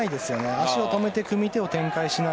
足を止めて組み手を展開しない。